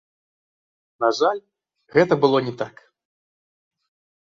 На жаль, гэта было не так.